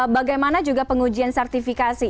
bagaimana juga pengujian sertifikasi